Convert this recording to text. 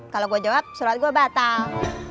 kalau gue jawab surat gue batal